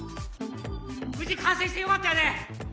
無事完成してよかったよね